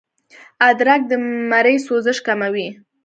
ادرک د مرۍ سوزش کموي